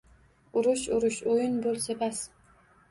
«Urush-urush» o’yin bo’lsa bas